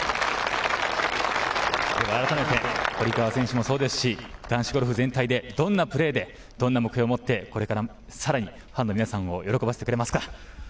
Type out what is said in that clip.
改めて、堀川選手もそうですし、男子ゴルフ全体でどんなプレーで、どんな目標を持ってこれからさらにファンの皆さんを喜ばせてくれますか。